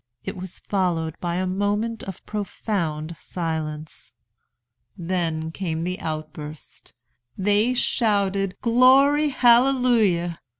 It was followed by a moment of profound silence. Then came the outburst. They shouted 'Glory! Hallelujah!'